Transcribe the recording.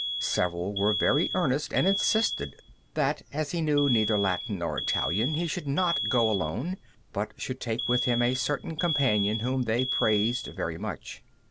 Several were very earnest, and insisted that as he knew neither Latin nor Italian, he should not go alone, but should take with him a certain companion whom they praised very much.